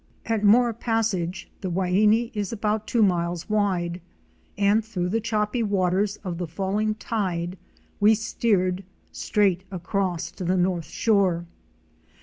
At Mora Passage the Waini is about two miles wide and through the choppy waters of the falling tide we steered straight across to the north shore.